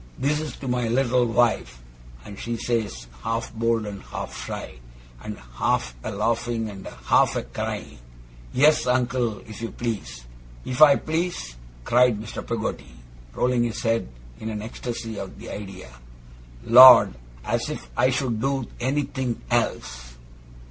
This is to be my little wife!" And she says, half bold and half shy, and half a laughing and half a crying, "Yes, Uncle! If you please." If I please!' cried Mr. Peggotty, rolling his head in an ecstasy at the idea; 'Lord, as if I should do anythink else!